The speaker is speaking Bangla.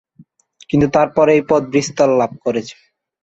কিন্তু তারপর এই পথ বিস্তার লাভ করেছে।